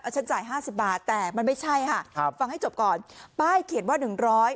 ฉันจ่ายห้าสิบบาทแต่มันไม่ใช่ค่ะครับฟังให้จบก่อนป้ายเขียนว่าหนึ่งร้อย